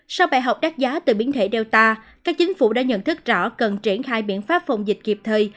sau bài học đắt giá từ biến thể data các chính phủ đã nhận thức rõ cần triển khai biện pháp phòng dịch kịp thời